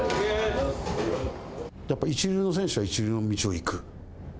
やっぱり一流の選手は一流の道を行く。